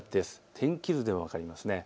天気図で分かります。